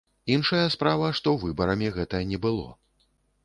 Іншая справа, што выбарамі гэта не было.